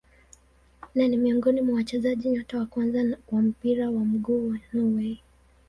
Na ni miongoni mwa wachezaji nyota wa kwanza wa mpira wa miguu wa Norway.